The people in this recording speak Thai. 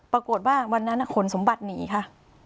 ปรากฏว่าวันนั้นขนสมบัติหนีค่ะ